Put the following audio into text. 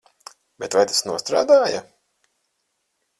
Bet vai tas nostrādāja?